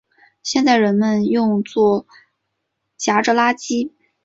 现在人们用作夹着垃圾。